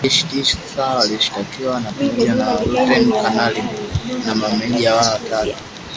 Wanajeshi tisa walioshtakiwa ni pamoja na luteni, kanali na mameja watatu.